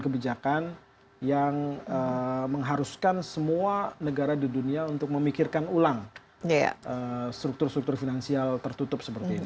kebijakan yang mengharuskan semua negara di dunia untuk memikirkan ulang struktur struktur finansial tertutup seperti ini